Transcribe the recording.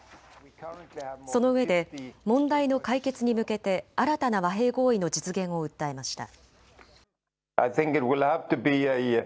そのうえで問題の解決に向けて新たな和平合意の実現を訴えました。